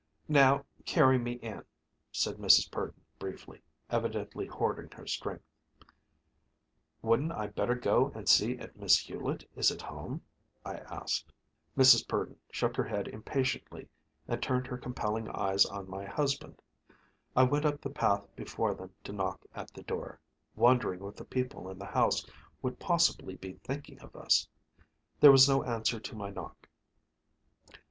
"Now carry me in," said Mrs. Purdon briefly, evidently hoarding her strength. "Wouldn't I better go and see if Miss Hulett is at home?" I asked. Mrs. Purdon shook her head impatiently and turned her compelling eyes on my husband. I went up the path before them to knock at the door, wondering what the people in the house would possibly be thinking of us. There was no answer to my knock.